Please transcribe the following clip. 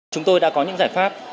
chúng tôi đã có những giải pháp